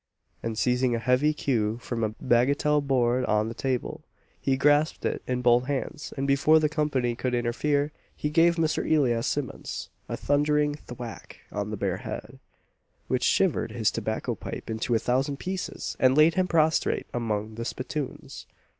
_" and seizing a heavy cue from a bagatelle board on the table, he grasped it in both hands, and, before the company could interfere, he gave Mr. Elias Simmons a "thundering thwack" on the bare head, which shivered his tobacco pipe into a thousand pieces, and laid him prostrate among the spittoons!